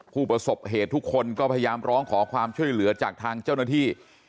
ผู้ประสบเหตุทุกคนก็พยายามร้องขอความช่วยเหลือจากทางเจ้าหน้าที่